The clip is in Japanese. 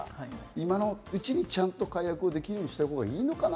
今のうちにちゃんと解約できるようにしたほうがいいのかな？